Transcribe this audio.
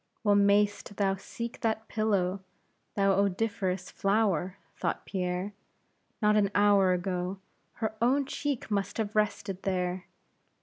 Well mayst thou seek that pillow, thou odoriferous flower, thought Pierre; not an hour ago, her own cheek must have rested there.